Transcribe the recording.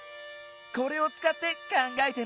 これをつかってかんがえてみよう。